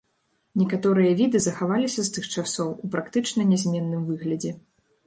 Некаторыя віды захаваліся з тых часоў у практычна нязменным выглядзе.